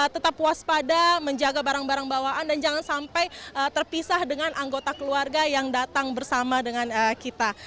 tetap waspada menjaga barang barang bawaan dan jangan sampai terpisah dengan anggota keluarga yang datang bersama dengan kita